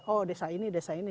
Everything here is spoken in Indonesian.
oh desa ini desa ini